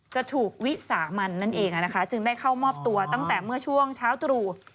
จะถูกวิสามันนั่นเองจึงได้เข้ามอบตัวตั้งแต่เมื่อช่วงเช้าตรู่